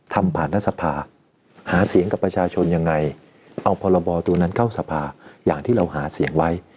ผ่านรัฐสภาหาเสียงกับประชาชนยังไงเอาพรบตัวนั้นเข้าสภาอย่างที่เราหาเสียงไว้